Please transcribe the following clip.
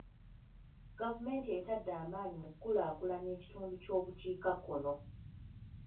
Gavumenti etadde amaanyi mu kukulaakulanya ekitundu ky'obukiikakkono.